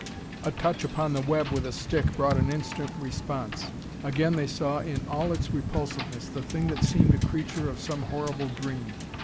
A touch upon the web with a stick brought an instant response. Again they saw in all its repulsiveness the thing that seemed a creature of some horrible dream.